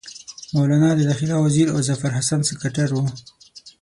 مولنا د داخله وزیر او ظفرحسن سکرټر وو.